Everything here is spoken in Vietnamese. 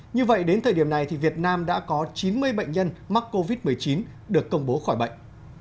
như vậy đến thời điểm này việt nam đã có chín mươi bệnh nhân mắc covid một mươi chín được công bố khỏi bệnh